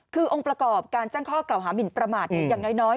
คือองค์ประกอบการแจ้งข้อกล่าวหามินประมาทอย่างน้อย